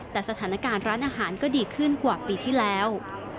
แต่สถานการณ์ร้านอาหารก็ดีขึ้นกว่าปีที่แล้ว